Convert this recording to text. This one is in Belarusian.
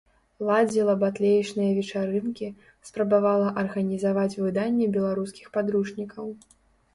Ладзіла батлеечныя вечарынкі, спрабавала арганізаваць выданне беларускіх падручнікаў.